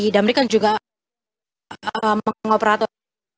dambri kan juga mengoperator